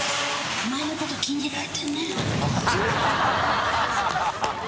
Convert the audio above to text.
「お前のこと気に入られてんね」